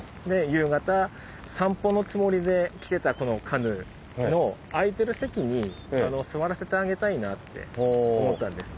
夕方散歩のつもりで来てたこのカヌーの空いてる席に座らせてあげたいなって思ったんです。